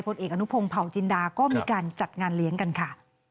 เอกอนุพงศ์เผาจินดาก็มีการจัดงานเลี้ยงกันค่ะ